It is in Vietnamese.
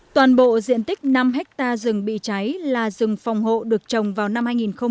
toàn bộ diện tích năm hectare rừng bị cháy là rừng phòng hộ được trồng vào năm hai nghìn một mươi bảy